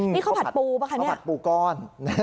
นี่ข้าวผัดปูป่ะคะเนี่ยผัดปูก้อน